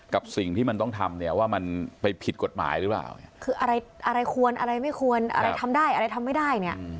กับสิ่งที่มันต้องทำเนี่ยว่ามันไปผิดกฎหมายหรือเปล่าคืออะไรอะไรควรอะไรไม่ควรอะไรทำได้อะไรทำไม่ได้เนี่ย